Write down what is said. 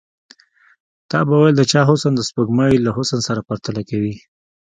تا به ويل د چا حسن د سپوږمۍ له حسن سره پرتله کوي.